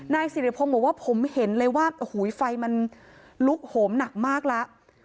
นายสิริพงศ์บอกว่าผมเห็นเลยว่าโอ้โหไฟมันลุกโหมหนักมากแล้ว